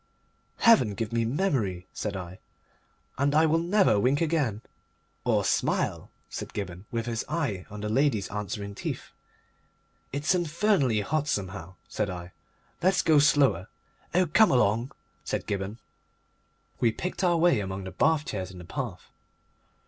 "Heaven give me memory," said I, "and I will never wink again." "Or smile," said Gibberne, with his eye on the lady's answering teeth. "It's infernally hot, somehow," said I. "Let's go slower." "Oh, come along!" said Gibberne. We picked our way among the bath chairs in the path.